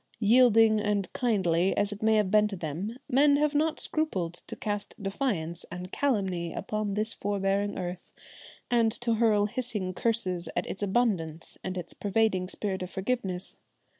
Yielding and kindly as it may have been to them, men have not scrupled to cast defiance and calumny upon this forbearing earth and to hurl hissing curses at its abundance and its pervading spirit of forgiveness.